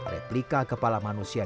replika kepala manusia